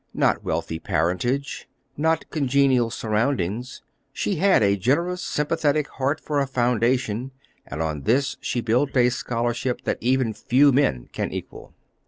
Not wealthy parentage; not congenial surroundings. She had a generous, sympathetic heart for a foundation, and on this she built a scholarship that even few men can equal.